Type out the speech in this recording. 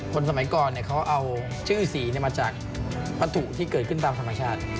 คนสมัยก่อนเนี่ยเขาเอาชื่อสีเนี่ยมาจากภัตถุที่เกิดขึ้นตามธรรมชาติ